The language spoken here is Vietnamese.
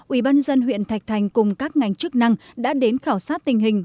ủy ban dân huyện thạch thành cùng các ngành chức năng đã đến khảo sát tình hình